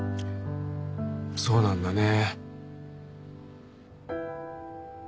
そうなんだね。